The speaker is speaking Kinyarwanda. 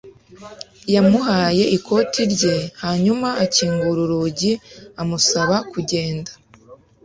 Yamuhaye ikoti rye hanyuma akingura urugi amusaba kugenda.